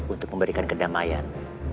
untuk memberikan kedamaian